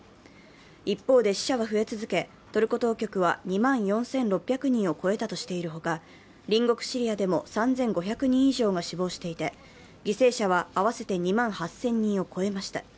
一方で、死者は増え続け、トルコ当局は２万４６００人を超えたとしているほか、隣国シリアでも３５００人以上が死亡していて、犠牲者は合わせて２万８０００人を超えました。